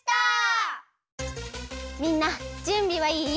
みんなじゅんびはいい？